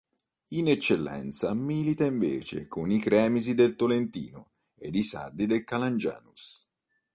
In Eccellenza milita invece con i cremisi del Tolentino ed i sardi del Calangianus.